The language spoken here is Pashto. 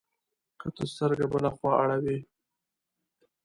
که ته سترګه بله خوا اړوې،